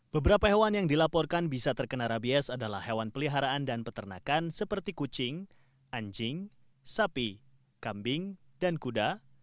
beberapa hewan yang dilaporkan bisa terkena rabies adalah hewan peliharaan dan peternakan seperti kucing anjing sapi kambing dan kuda